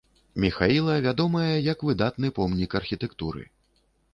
Міхаіла, вядомая як выдатны помнік архітэктуры.